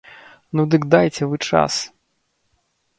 Ну дык дайце вы час!